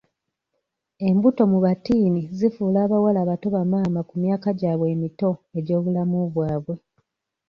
Embuto mu battiini zifuula abawala abato ba maama ku myaka gyabwe emito egy'obulamu bwabwe.